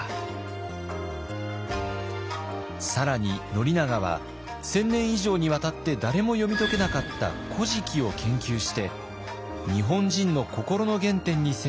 更に宣長は１，０００年以上にわたって誰も読み解けなかった「古事記」を研究して日本人の心の原点に迫ろうとしました。